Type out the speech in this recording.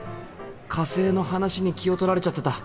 火星の話に気を取られちゃってた。